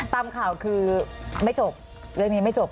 ตามข่าวคือไม่จบเรื่องนี้ไม่จบ